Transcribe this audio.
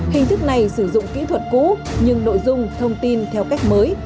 hình thức này sử dụng kỹ thuật cũ nhưng nội dung thông tin theo cách mới